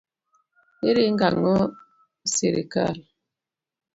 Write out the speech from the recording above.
Iringo ang'o sirikal.